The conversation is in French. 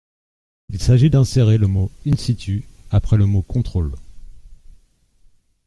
Il s’agit d’insérer les mots :« in situ » après le mot :« contrôle ».